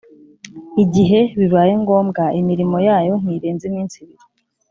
igihe bibaye ngombwa ; imirimo yayo ntirenza iminsi ibiri